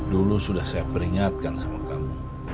dulu sudah saya peringatkan sama kamu